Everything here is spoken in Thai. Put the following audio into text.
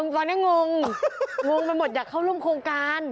ตอนนี้งงงงไปหมดอยากเข้าร่วมโครงการ